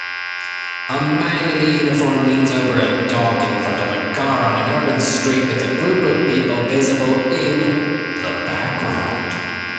A man in uniform leans over a dog in front of car on an urban street with a group of people visible in the background